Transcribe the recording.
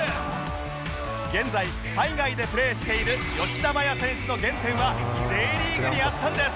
現在海外でプレーしている吉田麻也選手の原点は Ｊ リーグにあったんです